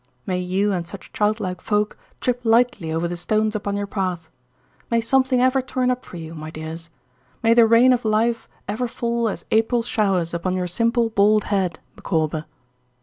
May you and such childlike folk trip lightly over the stones upon your path! May something ever turn up for you, my dears! May the rain of life ever fall as April showers upon your simple bald head, Micawber!